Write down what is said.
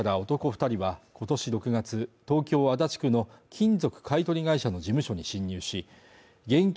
二人はことし６月東京・足立区の金属買い取り会社の事務所に侵入し現金